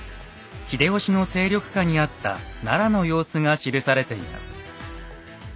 秀吉の勢力下にあった奈良の様子が記されています。